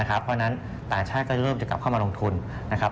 เพราะฉะนั้นต่างชาติก็เริ่มจะกลับเข้ามาลงทุนนะครับ